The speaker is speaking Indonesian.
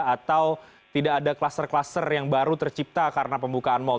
atau tidak ada kluster kluster yang baru tercipta karena pembukaan mal